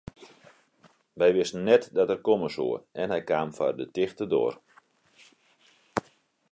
Wy wisten net dat er komme soe en hy kaam foar de tichte doar.